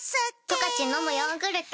「十勝のむヨーグルト」